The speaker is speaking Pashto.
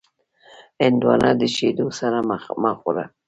هندوانه د شیدو سره مه خوره.